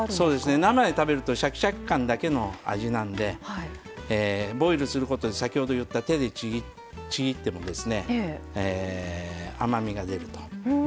生で食べるとシャキシャキ感だけの味なのでボイルすることで先ほど言った手で、ちぎって甘みが出ると。